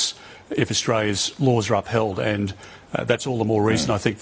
jika peraturan australia diangkat dan itu adalah sebab yang lebih banyak